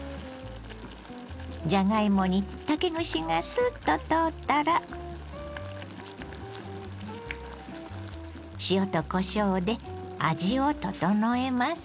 じゃがいもに竹串がすっと通ったら塩とこしょうで味を調えます。